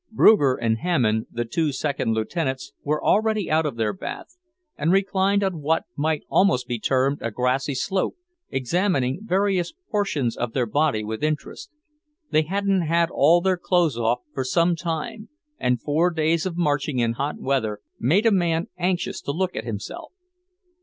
Bruger and Hammond, the two second Lieutenants, were already out of their bath, and reclined on what might almost be termed a grassy slope, examining various portions of their body with interest. They hadn't had all their clothes off for some time, and four days of marching in hot weather made a man anxious to look at himself.